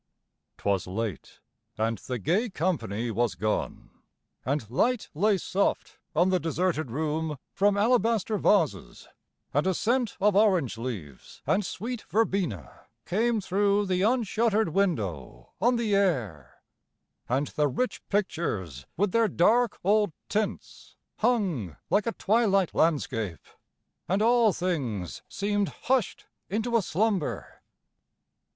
'Twas late, and the gay company was gone, And light lay soft on the deserted room From alabaster vases, and a scent Of orange leaves, and sweet verbena came Through the unshutter'd window on the air, And the rich pictures with their dark old tints Hung like a twilight landscape, and all things Seem'd hush'd into a slumber.